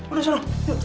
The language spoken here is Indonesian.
udah sana yuk